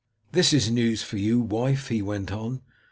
"This is news for you, wife," he went on.